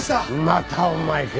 またお前か。